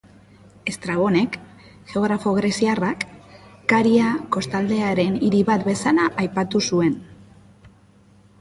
Estrabonek, geografo greziarrak, Karia kostaldearen hiri bat bezala aipatu zuen.